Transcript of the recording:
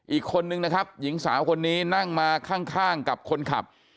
อีกคนนึงนะครับหญิงสาวคนนี้นั่งมาข้างกับคนขับ